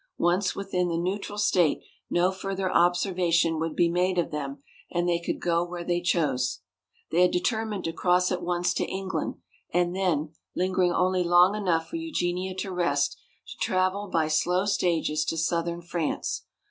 Once within the neutral state no further observation would be made of them and they could go where they chose. They had determined to cross at once to England and then, lingering only long enough for Eugenia to rest, to travel by slow stages to southern France.